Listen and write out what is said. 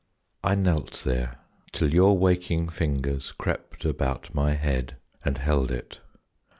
I knelt there; till your waking fingers crept About my head, and held it.